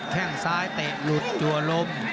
แค่งซ้ายเตะหลุดจัวลม